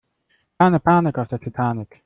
Keine Panik auf der Titanic!